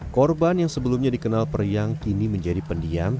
korban yang sebelumnya dikenal periang kini menjadi pendiam